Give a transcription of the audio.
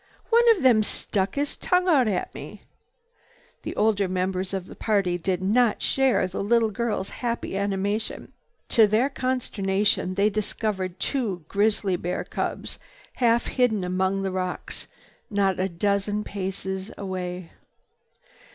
One of them stuck his tongue out at me!" The older members of the party did not share the little girl's happy animation. To their consternation they discovered two grizzly bear cubs half hidden among the rocks not a dozen paces away.